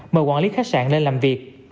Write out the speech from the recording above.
mời quản lý khách sạn lên làm việc